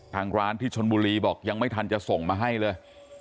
ทางร้านที่ชนบุรีบอกยังไม่ทันจะส่งมาให้เลย